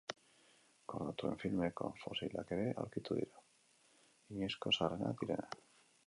Kordatuen filumeko fosilak ere aurkitu dira, inoizko zaharrenak direnak.